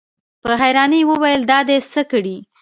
په حيرانۍ يې وويل: دا دې څه کړي؟